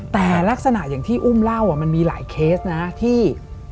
แต่ลักษณะอย่างที่อุ้มเล่ามันมีหลายเคสนะที่